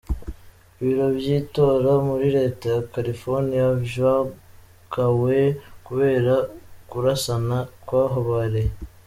Ibiro vy'itora muri leta ya California vyugawe kubera ukurasana kwahabereye.